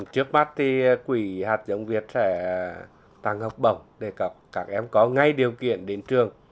trước mắt thì quỹ hạt giống việt sẽ tặng học bổng để các em có ngay điều kiện đến trường